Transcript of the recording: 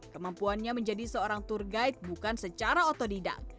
kemampuannya menjadi seorang tour guide bukan secara otodidak